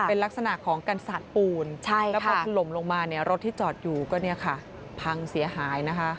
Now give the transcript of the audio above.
เป็นลักษณะของกันสาดปูนแล้วพอถล่มลงมารถที่จอดอยู่ก็พังเสียหายนะคะ